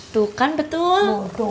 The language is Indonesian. tuh kan betul